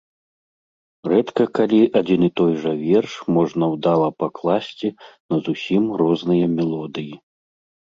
Рэдка калі адзін і той жа верш можна ўдала пакласці на зусім розныя мелодыі.